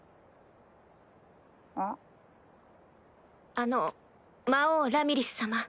あの魔王ラミリス様